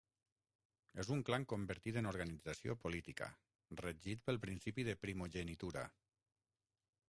És un clan convertit en organització política, regit pel principi de primogenitura.